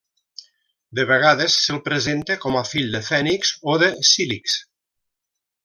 De vegades se'l presenta com a fill de Fènix o de Cílix.